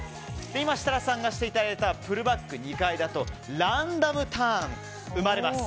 今、設楽さんにしていただいたプルバック２回だとランダムターンが生まれます。